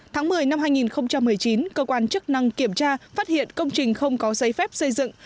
tháng một mươi năm hai nghìn một mươi chín cơ quan chức năng kiểm tra phát hiện công trình không có giấy phép xây dựng